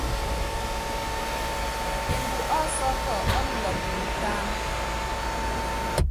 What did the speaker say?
Embu osɔ́ɔ́kɔ ɔ́ nulop nutúmbú.